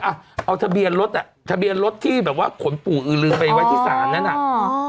เอาทะเบียนรถที่แบบว่าขนปู่อืดลืมไปไว้ที่ศาลนั้น